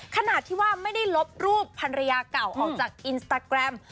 ขนาดที่ว่าไม่ได้ลบรูปภรรยาเก่าออกจากอินสตาแกรม